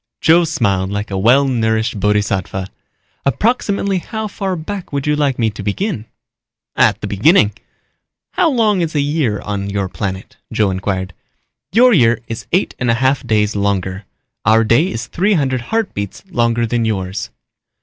Joe smiled like a well nourished bodhisattva. "Approximately how far back would you like me to begin?" "At the beginning." "How long is a year on your planet?" Joe inquired. "Your year is eight and a half days longer. Our day is three hundred heartbeats longer than yours."